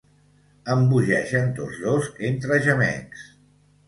Embogeixen tots dos entre gemecs.